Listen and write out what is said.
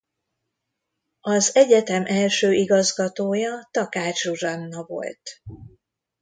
Az egyetem első igazgatója Takács Zsuzsanna volt.